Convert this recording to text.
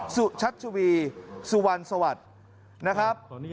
ชัชวีสุวรรณสวัสดิ์นะครับ